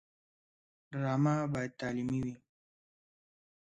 ډرامه باید تعلیمي وي